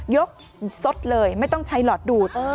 สดเลยไม่ต้องใช้หลอดดูด